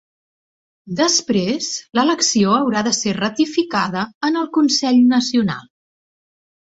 Després, l’elecció haurà de ser ratificada en el consell nacional.